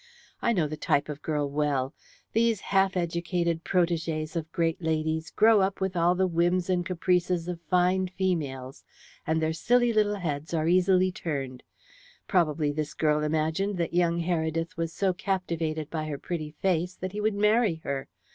I know the type of girl well. These half educated protégées of great ladies grow up with all the whims and caprices of fine females, and their silly little heads are easily turned. Probably this girl imagined that young Heredith was so captivated by her pretty face that he would marry her.